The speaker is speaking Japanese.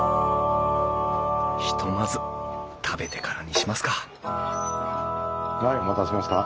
ひとまず食べてからにしますかはいお待たせしました。